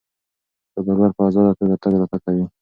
سوداګر په ازاده توګه تګ راتګ کوي.